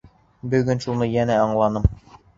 Бөгөн шуны йәнә аңланым.